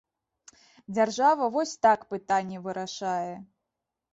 Дзяржава вось так пытанні вырашае.